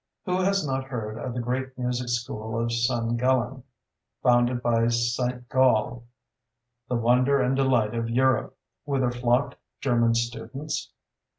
Who has not heard of the great music school of San Gallen, founded by St. Gall, "the wonder and delight of Europe," whither flocked German students?